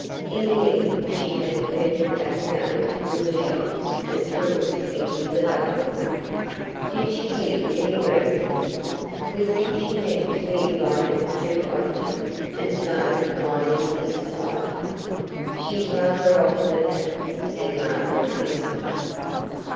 In the end she had the pendant back again from the shop and threw it into the duckpond. "Did she give any reasons?" "We think she meant to be invited to Oniton, and so climb into society." "She's rather old for that," said Margaret pensively.